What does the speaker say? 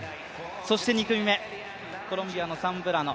そして２組目コロンビアのサンブラノ。